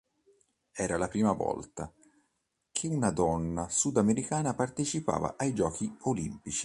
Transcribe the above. Era la prima volta che una donna sudamericana partecipava ai Giochi olimpici.